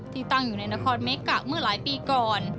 ตั้งอยู่ในนครเมกะเมื่อหลายปีก่อน